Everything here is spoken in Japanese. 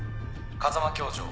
風間教場